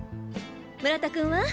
村田君は？